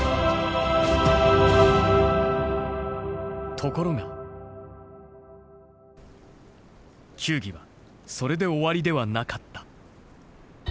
ところが球技はそれで終わりではなかった。